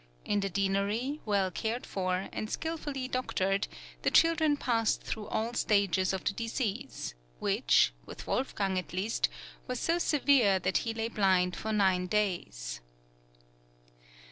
In the deanery, well cared for, and skilfully doctored, the children passed through all stages of the disease, which, with Wolfgang at least, was so severe, that he lay blind for nine days.